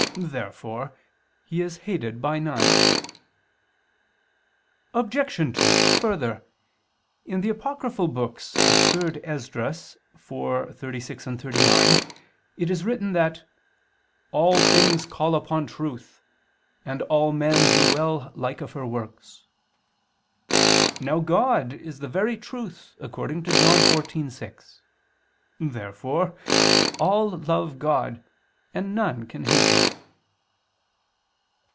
Therefore He is hated by none. Obj. 2: Further, in the Apocryphal books of 3 Esdras 4:36, 39 it is written that "all things call upon truth ... and (all men) do well like of her works." Now God is the very truth according to John 14:6. Therefore all love God, and none can hate Him.